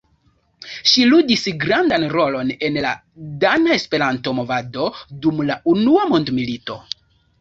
Ŝi ludis grandan rolon en la dana Esperanto-movado dum la unua mondmilito.